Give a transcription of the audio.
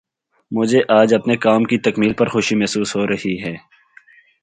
مجھے آج اپنے کام کی تکمیل پر خوشی محسوس ہو رہی ہے